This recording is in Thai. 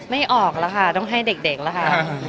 ไม่ออกละค่ะต้องให้เด็กละค่ะ